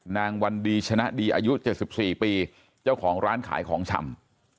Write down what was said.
วันดีชนะดีอายุ๗๔ปีเจ้าของร้านขายของชำ